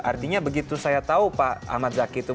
artinya begitu saya tahu pak ahmad zaki itu